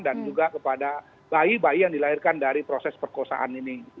dan juga kepada bayi bayi yang dilahirkan dari proses perkosaan ini